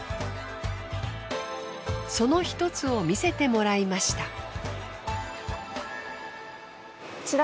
そのひとつを見せてもらいました。